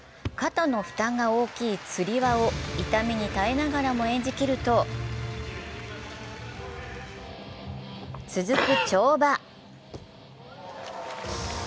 肩の負担が大きいつり輪を痛みに耐えながらも演じきると、続く跳馬。